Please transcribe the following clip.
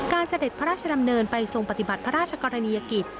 เสด็จพระราชดำเนินไปทรงปฏิบัติพระราชกรณียกิจ